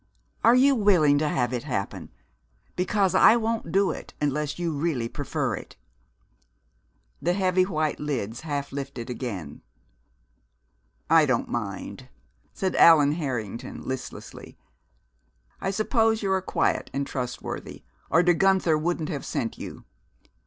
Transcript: Are you willing to have it happen? Because I won't do it unless you really prefer it." The heavy white lids half lifted again. "I don't mind," said Allan Harrington listlessly. "I suppose you are quiet and trustworthy, or De Guenther wouldn't have sent you.